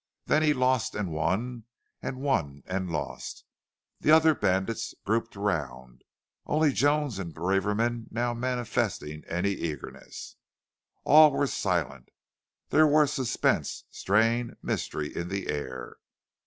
Then he lost and won, and won and lost. The other bandits grouped around, only Jones and Braverman now manifesting any eagerness. All were silent. There were suspense, strain, mystery in the air.